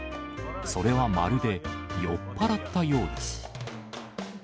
それはまるで酔っ払ったようです。